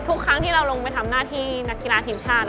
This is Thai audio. ทุกครั้งที่เราลงไปทำหน้าที่นักกีฬาทีมชาติ